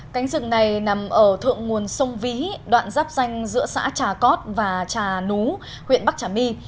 cánh rừng này nằm ở thượng nguồn sông ví đoạn dắp danh giữa xã trà cót và trà nú huyện bắc trà my